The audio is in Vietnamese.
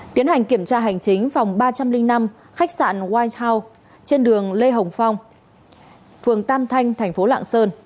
tiến hành kiểm tra hành chính phòng ba trăm linh năm khách sạn white house trên đường lê hồng phong phường tam thanh tp lạng sơn